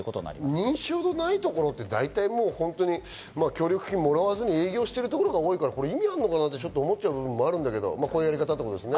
認証のないところって、協力金をもらわずに営業してるところが多いから、意味あんのかなって思っちゃう部分もあるけど、こういうやり方ってことですね。